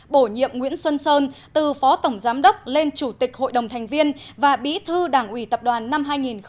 bổ nhiệm nguyễn xuân sơn từ phó tổng giám đốc lên chủ tịch hội đồng thành viên và bí thư đảng ủy tập đoàn năm hai nghìn một mươi tám